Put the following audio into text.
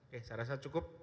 saya rasa cukup